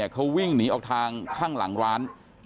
เขาวิ่งหนีออกทางข้างหลังร้าน